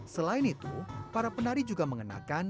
selain itu para penari juga mengenakan